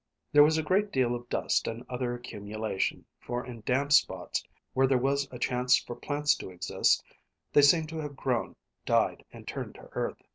There was a great deal of dust and other accumulation, for in damp spots where there was a chance for plants to exist they seemed to have grown, died, and turned to earth.